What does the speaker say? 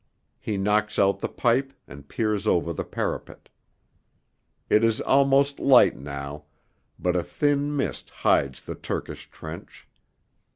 He knocks out the pipe and peers over the parapet. It is almost light now, but a thin mist hides the Turkish trench.